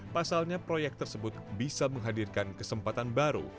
pasalnya proyek tersebut bisa menghadirkan kesempatan baru